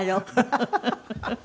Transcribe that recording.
ハハハハ。